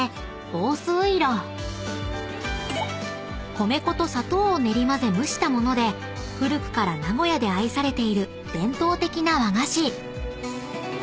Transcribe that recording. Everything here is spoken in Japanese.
［米粉と砂糖を練り混ぜ蒸した物で古くから名古屋で愛されている伝統的な和菓子］